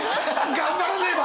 頑張らねば！